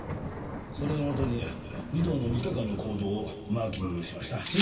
それをもとに尾藤の３日間の行動をマーキングしました。